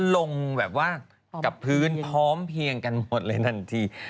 แล้วลงกับพื้นพร้อมเพียงกันหมดเลยนี้